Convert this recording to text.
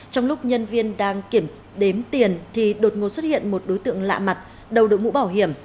trong lúc nhân viên đang kiểm đếm tiền thì đột ngột xuất hiện một đối tượng lạ mặt đầu đội mũ bảo hiểm